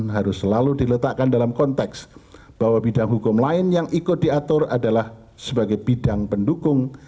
harus selalu diletakkan dalam konteks bahwa bidang hukum lain yang ikut diatur adalah sebagai bidang pendukung